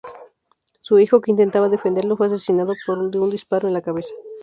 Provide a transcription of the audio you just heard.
Su hijo, que intentaba defenderlo, fue asesinado de un disparo en la cabeza.